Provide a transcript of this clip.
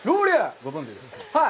ご存じですか。